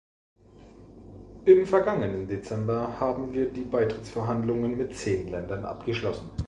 Im vergangenen Dezember haben wir die Beitrittsverhandlungen mit zehn Ländern abgeschlossen.